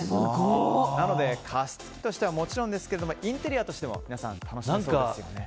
なので加湿器としてはもちろんですけれどもインテリアとしても皆さん楽しめそうですよね。